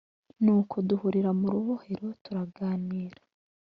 nuko duhurira mu rubohero turaganira.